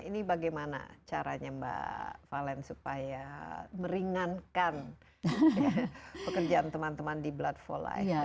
ini bagaimana caranya mbak valen supaya meringankan pekerjaan teman teman di blood for life